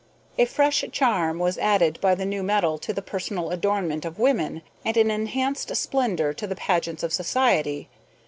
A fresh charm was added by the new metal to the personal adornment of women, and an enhanced splendor to the pageants of society.